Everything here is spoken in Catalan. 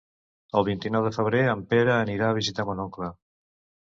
El vint-i-nou de febrer en Pere anirà a visitar mon oncle.